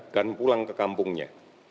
dan pulang ke kampungnya